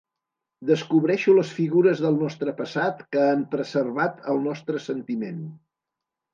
Descobreixo les figures del nostre passat que han preservat el nostre sentiment.